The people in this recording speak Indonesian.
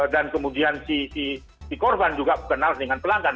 dan kemudian si korban juga kenal dengan pelanggan